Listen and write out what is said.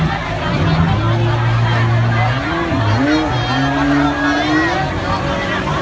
ก็ไม่มีเวลาให้กลับมาเท่าไหร่